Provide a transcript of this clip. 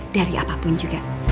dari apapun juga